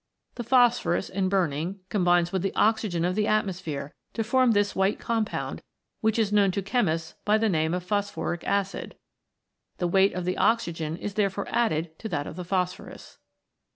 The phosphorus, in burning, combines with the oxygen of the atmosphere to form this white compound, which is known to chemists by the name of Phosphoric Acid, the weight of the oxygen is therefore added to that of the phosphorus.